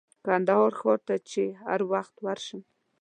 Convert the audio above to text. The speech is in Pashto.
کندهار ښار ته چې هر وخت ورشم.